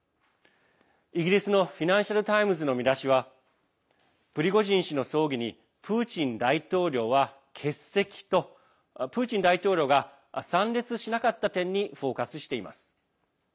イギリスのフィナンシャル・タイムズの見出しは「プリゴジン氏の葬儀にプーチン大統領は欠席」とプーチン大統領が参列しなかった点にフォーカスしています。